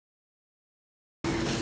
aku mau ke sana